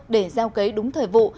để gieo cấy đúng thời vụ